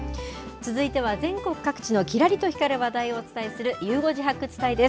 続いては全国各地のきらりと光る話題をお伝えする、ゆう５時発掘隊です。